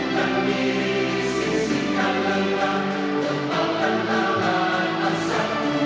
pdi perjuangan jaya